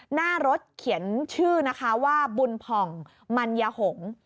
หน้ารถเขียนชื่อนะคะว่าบุญผ่องมัญญาหงษ์